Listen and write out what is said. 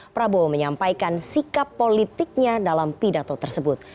prabowo menyampaikan sikap politiknya dalam pidato tersebut